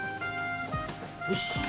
よし。